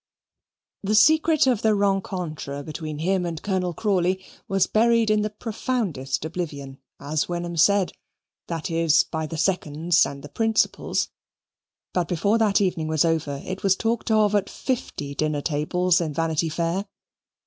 The secret of the rencontre between him and Colonel Crawley was buried in the profoundest oblivion, as Wenham said; that is, by the seconds and the principals. But before that evening was over it was talked of at fifty dinner tables in Vanity Fair.